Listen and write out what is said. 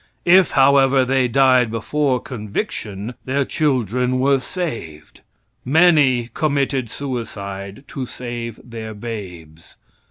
If, however, they died before conviction, their children were saved. Many committed suicide to save their babes.